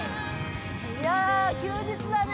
◆いや休日だね。